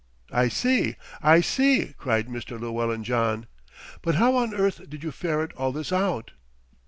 "I see, I see," cried Mr. Llewellyn John; "but how on earth did you ferret all this out?"